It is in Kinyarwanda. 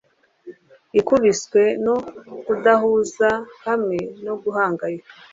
ikubiswe no kudahuza hamwe no guhangayika